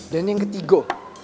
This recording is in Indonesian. dan yang ketiga